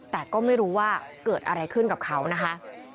แต่ก็ไม่รู้ว่าเกิดอะไรขึ้นกับเขานะคะ